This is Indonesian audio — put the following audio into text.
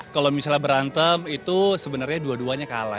kalau misalnya berantem itu sebenarnya dua duanya kalah